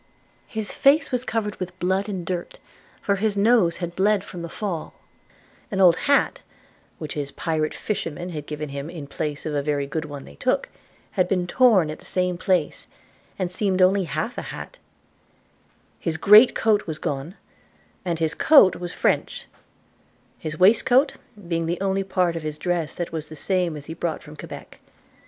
His face was covered with blood and dirt, for his nose had bled from the fall; an old hat, which his pirate fisherman had given him in place of a very good one they took, had been torn at the same time, and seemed only half a hat; his great coat was gone, and his coat was French; his waistcoat being the only part of his dress that was the same as he brought from Quebec.